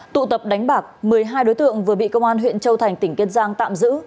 tụ tập đánh bạc một mươi hai đối tượng vừa bị công an huyện châu thành tỉnh kiên giang tạm giữ